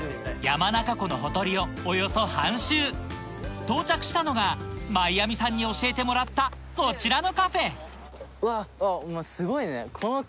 山中湖のほとりをおよそ半周到着したのがマイアミさんに教えてもらったこちらのカフェわ。